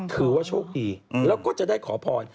ถือว่าโชคดีแล้วก็จะได้ขอพร